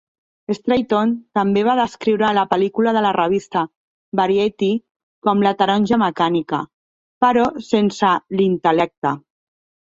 Stratton també va descriure la pel·lícula a la revista "Variety" com "'La taronja mecànica' però sense l'intel·lecte".